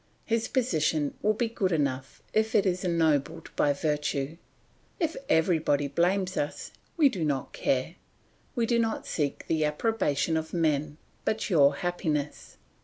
His position will be good enough if it is ennobled by virtue. If everybody blames us, we do not care. We do not seek the approbation of men, but your happiness."